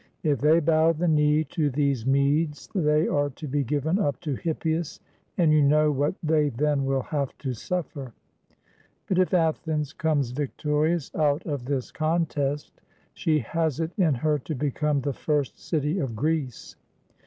If they bow the knee to these Medes, they are to be given up to Hippias, and you know what they then will have to suffer. But if Athens comes victorious out of this contest, she has it in her to become the first city of Greece.